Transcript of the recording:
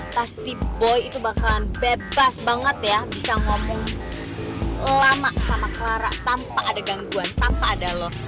pasti boy itu bakalan bebas banget ya bisa ngomong lama sama clara tanpa ada gangguan tanpa ada loh